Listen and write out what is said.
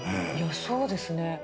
そうですね。